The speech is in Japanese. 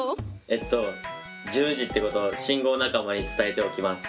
えっと１０時ってことを信号仲間に伝えておきます。